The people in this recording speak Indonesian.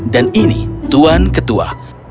dan ini tuan ketua